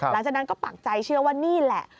หลังจากนั้นก็ปักใจเชื่อว่านี่แหละ